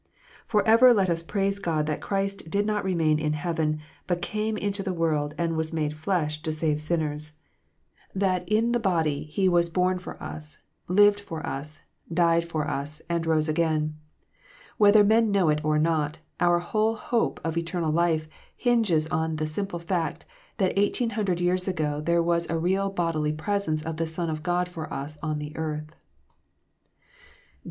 For ever let us praise God that Christ did not remain in heaven, but came into the world and was made flesh to save sinners ; that in the body, THE REAL PRESENCE. 203 He was born for us, lived for us, died for us, and rose again. Whether men know it or not, OUT whole hope of eternal life hinges on the simple fact, that eighteen hundred years ago there was a real bodily presence of the Son of God for us on the earth.